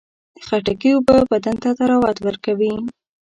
د خټکي اوبه بدن ته طراوت ورکوي.